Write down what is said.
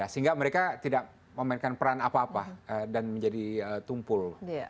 sehingga mereka tidak memainkan peran apa apa dan menjadi tumpul